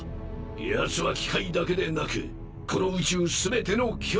ヤツは機械だけでなくこの宇宙全ての脅威。